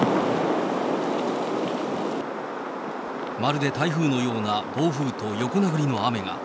まるで台風のような暴風と横殴りの雨が。